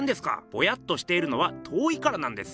ぼやっとしているのは遠いからなんです。